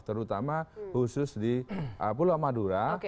terutama khusus di pulau madura